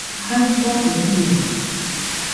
jaɨgabɨ jiro